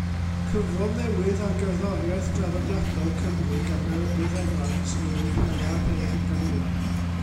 Cyfrol newydd ar gerddoriaeth draddodiadol Cymru gan Meredydd Evans yw Hela'r Hen Ganeuon.